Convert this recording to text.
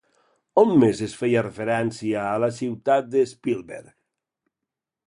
A on més es feia referència a la cinta de Spielberg?